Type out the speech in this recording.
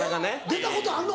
出たことあんの？